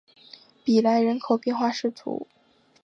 比莱人口变化图示